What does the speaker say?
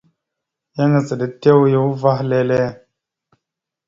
Yan azaɗ etew ya uvah lele.